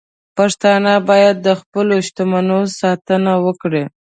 پښتانه باید د خپلو شتمنیو ساتنه وکړي.